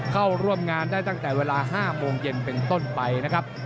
เข้าร่วมงานได้ตั้งแต่เวลา๕โมงเย็นเป็นต้นไปนะครับ